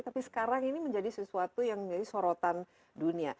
tapi sekarang ini menjadi sesuatu yang menjadi sorotan dunia